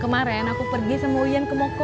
kemaren aku pergi sama uyan ke moko